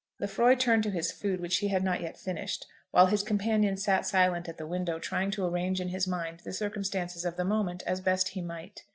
Lefroy turned to his food, which he had not yet finished, while his companion sat silent at the window, trying to arrange in his mind the circumstances of the moment as best he might.